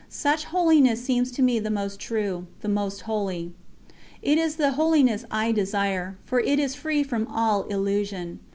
Such holiness seems to me the most true, the most holy; it is the holiness I desire, for it is free from all illusion.